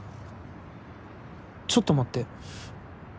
ちょっと待って。